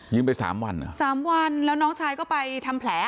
ไปสามวันเหรอสามวันแล้วน้องชายก็ไปทำแผล